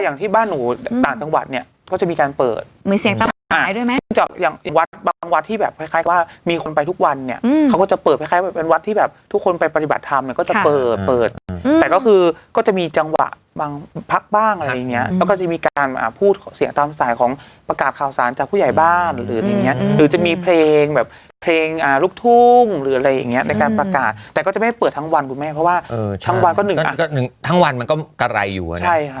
อย่างวัดบางวัดที่แบบคล้ายคล้ายว่ามีคนไปทุกวันเนี้ยอืมเขาก็จะเปิดคล้ายคล้ายเป็นวัดที่แบบทุกคนไปปฏิบัติธรรมเนี้ยก็จะเปิดอืมแต่ก็คือก็จะมีจังหวะบางพักบ้างอะไรอย่างเงี้ยแล้วก็จะมีการอ่าพูดเสียงตามสายของประกาศข่าวสารจากผู้ใหญ่บ้านหรืออะไรอย่างเงี้ยหือจะมีเพลงแบบเพลงอ่าลูกท